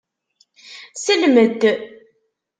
Slem-d!